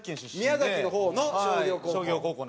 宮崎の方の商業高校？